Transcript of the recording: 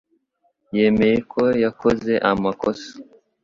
yemeye ko yakoze amakosa.